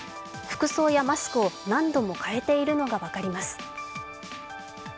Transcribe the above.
服装やマスクを何度も変えているのが分かります。